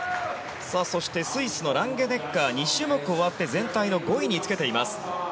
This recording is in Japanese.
そして、スイスのランゲネッガーが２種目終わって全体の５位につけています。